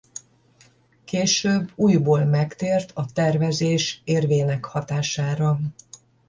Később újból megtért a tervezés érvének hatására.